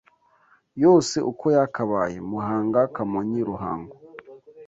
yose uko yakabaye (Muhanga, Kamonyi, Ruhango)